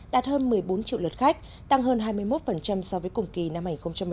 đạt hơn một mươi bốn triệu lượt khách tăng hơn hai mươi một so với cùng kỳ năm hai nghìn một mươi tám